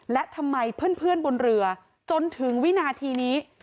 และทำไมเพื่อนบนเรือจนถึงวินาทีนี้